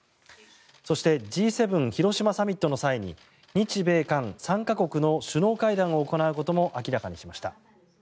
そしてＧ７広島サミットの際に日米韓３か国の首脳会談を行うことも明らかにしました。